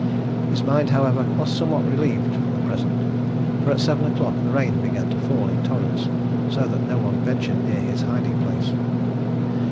His mind, however, was somewhat relieved for the present, for at seven o'clock the rain began to fall in torrents, so that no one ventured near his hiding place.